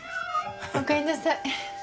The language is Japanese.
おかえりなさい。